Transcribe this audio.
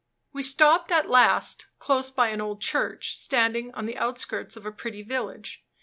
We stopped at last close by an old church, standing on the outskirts of a pretty village.